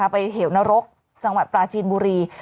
เหวนรกจังหวัดปลาจีนบุรี